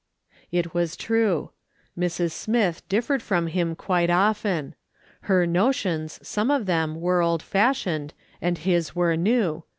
It was true. Mrs. Smith differed from him quite often. Her notions, some of them, were old fashioned, and his were new.